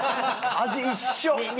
味一緒！